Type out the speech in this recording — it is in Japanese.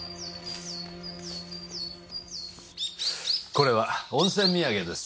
これは温泉土産です。